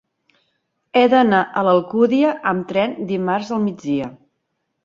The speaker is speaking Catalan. He d'anar a l'Alcúdia amb tren dimarts al migdia.